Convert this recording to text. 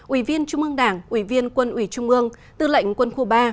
ủy viên trung ương đảng ủy viên quân ủy trung ương tư lệnh quân khu ba